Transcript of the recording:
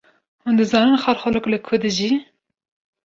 Hûn dizanin xalxalok li ku dijî?